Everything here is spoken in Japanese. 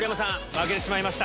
負けてしまいました。